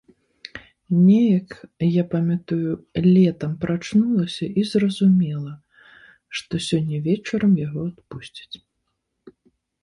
Неяк, я памятаю, летам прачнулася і зразумела, што сёння вечарам яго адпусцяць.